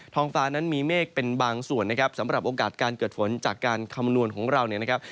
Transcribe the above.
งฟ้านั้นมีเมฆเป็นบางส่วนนะครับสำหรับโอกาสการเกิดฝนจากการคำนวณของเราเนี่ยนะครับ